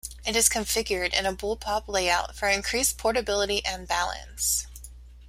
It is configured in a bullpup layout for increased portability and balance.